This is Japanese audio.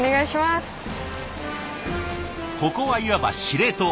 ここはいわば司令塔。